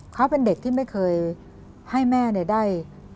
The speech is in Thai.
เขาเป็นเด็กที่ไม่เคยให้แม่ได้